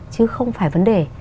chứ không phải vấn đề